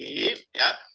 ada sebagaimana efek negatif